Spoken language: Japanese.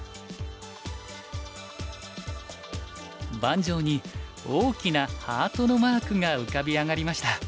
盤上に大きなハートのマークが浮かび上がりました。